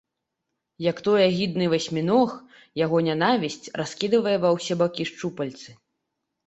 Як той агідны васьміног, яго нянавісць раскідвае ва ўсе бакі шчупальцы.